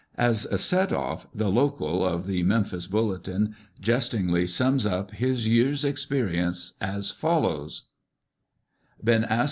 As a set off, the "local" of the Memphis Bulletin jestingly sums up his year's experience as follows : Times.